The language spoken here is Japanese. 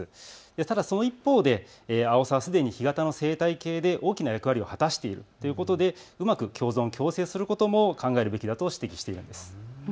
ただその一方でアオサはすでに干潟の生態系で大きな役割を果たしているということでうまく共存、共生することも考えるべきだと指摘しています。